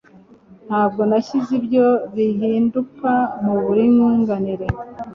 Ntabwo nashyize ibyo bihinduka muburinganire